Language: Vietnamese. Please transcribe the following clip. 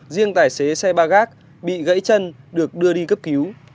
riêng tài xế xe ba gác bị gãy chân được đưa đi cấp cứu